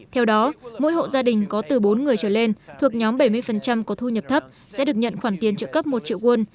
theo đó mỗi hộ gia đình có từ bốn người trở lên thuộc nhóm bảy mươi có thu nhập thấp sẽ được nhận khoản tiền trợ cấp một triệu won